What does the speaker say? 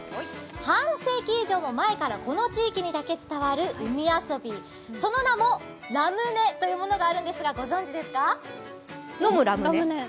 半世紀以上も前からこの地域にだけ伝わる海遊び、その名もラムネというものがあるんですが、ご存じですか？